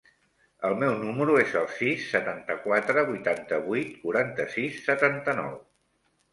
El meu número es el sis, setanta-quatre, vuitanta-vuit, quaranta-sis, setanta-nou.